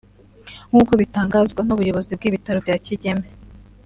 nk’uko bitangazwa n’ubuyobozi bw’ibitaro bya Kigeme